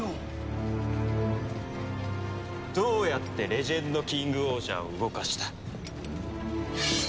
どうやってレジェンドキングオージャーを動かした？